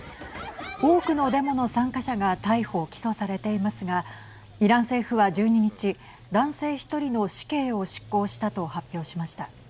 多くのデモの参加者が逮捕、起訴されていますがイラン政府は１２日男性１人の死刑を執行したと発表しました。